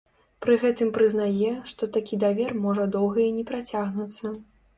Пры гэтым прызнае, што такі давер можа доўга і не працягнуцца.